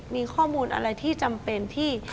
มีข้อมูลอะไรที่จำเป็นที่